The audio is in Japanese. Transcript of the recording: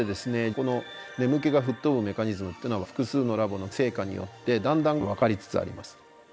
この眠気が吹っ飛ぶメカニズムっていうのは複数のラボの成果によってだんだん分かりつつあります。